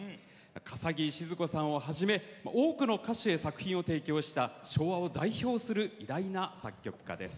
笠置シヅ子さんをはじめ多くの歌手へ作品を提供した昭和を代表する偉大な作曲家です。